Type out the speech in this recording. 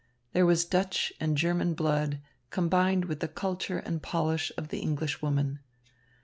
There was Dutch and German blood combined with the culture and polish of the Englishwoman.